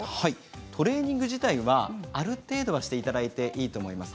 トレーニング自体はある程度はしていただいていいと思います。